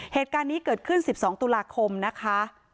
เหตุการณ์นี้เกิดขึ้น๑๒ตุลาคมนะคะ